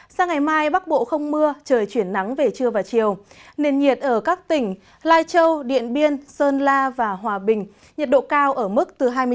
sang ngày mai bắc bộ không mưa trời chuyển nắng về trưa và chiều nền nhiệt ở các tỉnh lai châu điện biên sơn la và hòa bình nhiệt độ cao ở mức từ hai mươi sáu